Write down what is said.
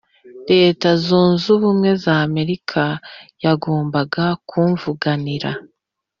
Leta Zunze Ubumwe za Amerika yagombaga kuvuganira